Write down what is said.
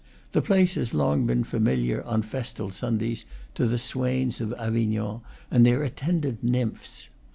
The place has long been familiar, on festal Sundays, to the swains of Avignon and their attendant nymphs.